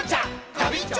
ガビンチョ！